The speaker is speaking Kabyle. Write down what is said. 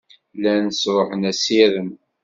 Llan sṛuḥen assirem.